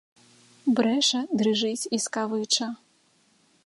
Брэша, дрыжыць і скавыча.